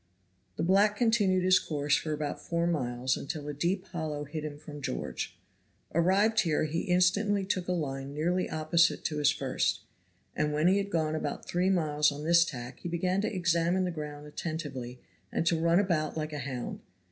The black continued his course for about four miles until a deep hollow hid him from George. Arrived here he instantly took a line nearly opposite to his first, and when he had gone about three miles on this tack he began to examine the ground attentively and to run about like a hound.